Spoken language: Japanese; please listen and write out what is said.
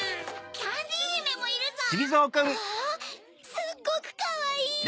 すっごくかわいい！